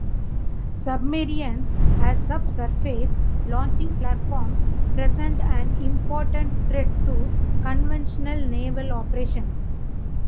Submarines, as subsurface launching platforms, present an important threat to conventional naval operations.